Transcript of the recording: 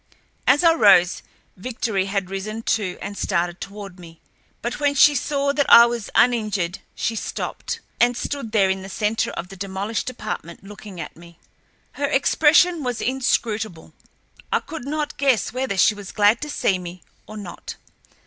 As I rose, Victory had risen, too, and started toward me. But when she saw that I was uninjured she stopped, and stood there in the center of the demolished apartment looking at me. Her expression was inscrutable—I could not guess whether she was glad to see me, or not.